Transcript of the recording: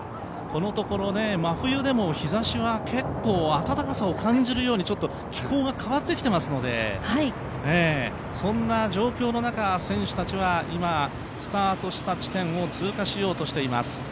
このところ、真冬でも日ざしは結構、暖かさを感じるようにちょっと気候が変わってきてますのでそんな状況の中、選手たちは今、スタートした地点を通過しようとしています。